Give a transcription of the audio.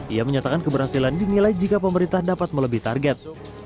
ia menyatakan keberhasilan dinilai jika pemerintah dapat melebih target